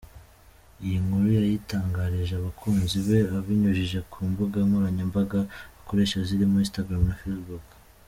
Iyi nkuru yayitangarije abakunzi be abinyujije ku mbuga nkoranyambaga akoresha zirimo Instagram na Facebook.